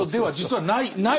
はい。